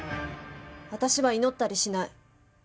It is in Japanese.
私は祈ったりしない。